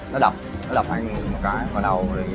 nó đập nó đập anh một cái vào đầu